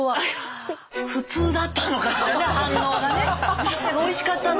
あらおいしかったのに。